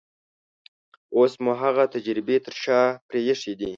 اوس مو هغه تجربې تر شا پرېښې دي.